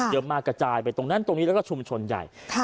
เยอะมากกระจายไปและก็ชุมชนใหญ่